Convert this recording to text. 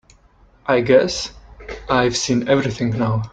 I guess I've seen everything now.